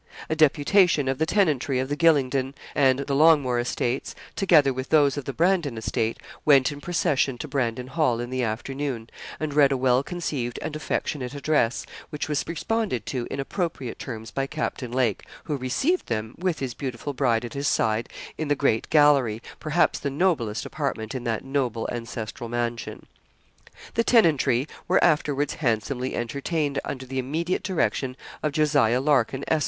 'A deputation of the tenantry of the Gylingden and the Longmoor estates, together with those of the Brandon estate, went in procession to Brandon Hall in the afternoon, and read a well conceived and affectionate address, which was responded to in appropriate terms by Captain Lake, who received them, with his beautiful bride at his side, in the great gallery perhaps the noblest apartment in that noble ancestral mansion. The tenantry were afterwards handsomely entertained under the immediate direction of Josiah Larkin, Esq.